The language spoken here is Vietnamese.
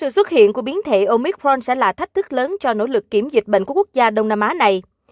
xuất hiện của biến thể omicron sẽ là thách thức lớn cho nỗ lực kiểm dịch bệnh của quốc gia đông nam á này